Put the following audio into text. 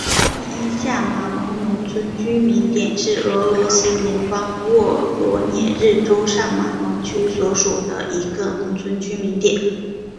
第一下马蒙农村居民点是俄罗斯联邦沃罗涅日州上马蒙区所属的一个农村居民点。